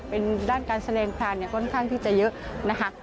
เป็นด้านการแสดงพรานเนี่ยค่อนข้างที่จะเยอะนะคะ